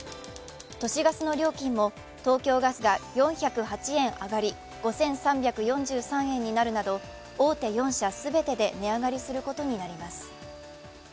都市ガスの料金も東京ガスが４０８円あがり５３４３円になるなど大手４社全てで値上がりすることになります。